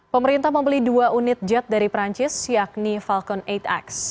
pemerintah membeli dua unit jet dari perancis yakni falcon delapan x